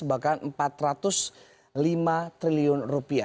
bahkan rp empat ratus lima triliun